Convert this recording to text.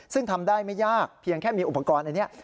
ซึ่งทำได้ไม่ยากเพียงแค่มีอุปกรณ์อันนี้